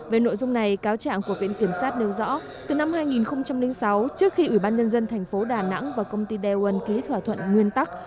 về nội dung này cáo trạng của viện kiểm sát nêu rõ từ năm hai nghìn sáu trước khi ủy ban nhân dân thành phố đà nẵng và công ty daewon ký thỏa thuận nguyên tắc